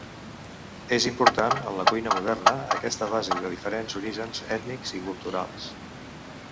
És important, en la cuina moderna, aquesta base de diferents orígens ètnics i culturals.